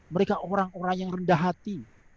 mereka orang orang yang rendah hati